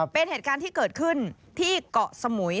เป็นเหตุการณ์ที่เกิดขึ้นที่เกาะสมุย